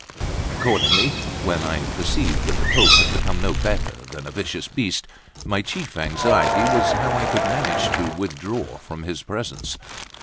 Accordingly, when I perceived that the Pope had become no better than a vicious beast, my chief anxiety was how I could manage to withdraw from his presence.